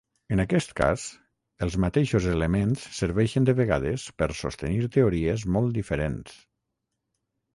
En aquest cas, els mateixos elements serveixen de vegades per sostenir teories molt diferents.